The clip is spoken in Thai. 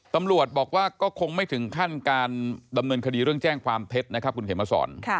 ตำรวจบอกว่าก็คงไม่ถึงขั้นการดำเนินคดีเรื่องแจ้งความเท็จนะครับคุณเขมสอน